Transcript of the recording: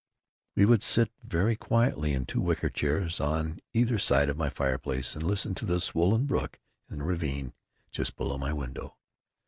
We would sit very quietly in two wicker chairs on either side of my fireplace & listen to the swollen brook in the ravine just below my window.